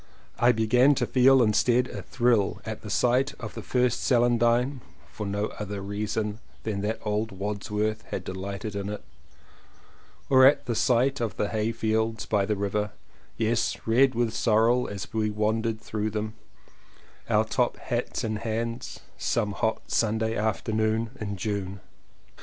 I began to feel instead a thrill at the sight of the first celandine (for no other reason than that old Wordsworth had delighted in it) or at the sight of the hay fields by the river — yes, red with sorel as we wandered through them, our top hats in hands, some hot Sunday afternoon in June.